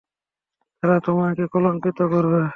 তারা তোমাকে কলঙ্কিত করবে।